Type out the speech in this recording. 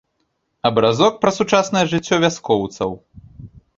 Абразок пра сучаснае жыццё вяскоўцаў.